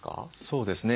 そうですね。